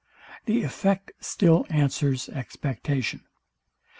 The effect still answers expectation.